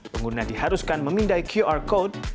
pengguna diharuskan memindai qr code